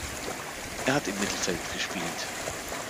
Er hat im Mittelfeld gespielt.